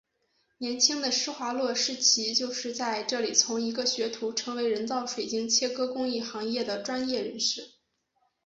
年轻的施华洛世奇就是在这里从一个学徒成为人造水晶切割工艺行业的专业人士。